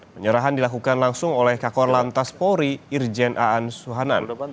penyerahan dilakukan langsung oleh kakor lantas polri irjen aan suhanan